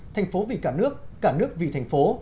thành phố vì cả nước cả nước vì thành phố